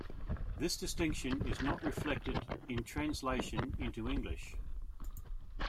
This distinction is not reflected in translation into English.